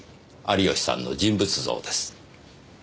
有吉さんの人物像です。